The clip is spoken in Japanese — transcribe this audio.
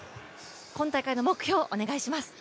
今大会の目標、お願いします。